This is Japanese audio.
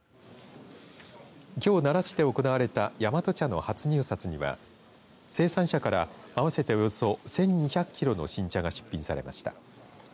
きょう奈良市で行われた大和茶の初入札には生産者から合わせておよそ１２００キロの新茶が出品されました。